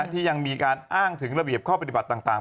ที่ยังมีการอ้างถึงระเบียบข้อปฏิบัติต่าง